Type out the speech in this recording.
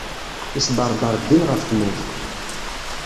Isberber ddin ɣef tmurt.